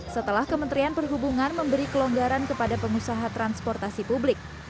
setelah kementerian perhubungan memberi kelonggaran kepada pengusaha transportasi publik